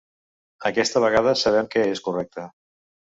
Aquesta vegada sabem que és correcte.